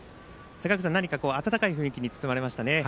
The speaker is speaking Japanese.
坂口さん、温かい雰囲気に包まれましたね。